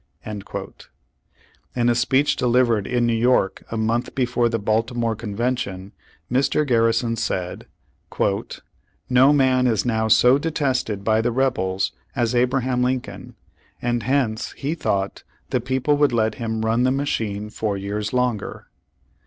"^ In a speech delivered in New York a month be fore the Baltimore Convention, Mr. Garrison said: "No man is now so detested by the rebels as Abraham Lincoln, and hence he thought the people would let him 'run the machine four years longer.'